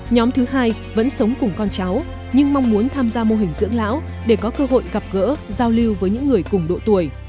nhóm thứ hai vẫn sống cùng con cháu nhưng mong muốn tham gia mô hình dưỡng lão để có cơ hội gặp gỡ giao lưu với những người cùng độ tuổi